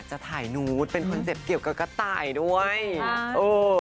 จะถ่ายนูตเป็นคนเจ็บเกี่ยวกับกระต่ายด้วยเออ